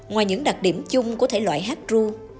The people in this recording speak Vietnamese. ngoài những đặc điểm chung của thể loại hát ru